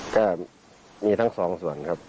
ก็มีทั้งสองส่วนครับ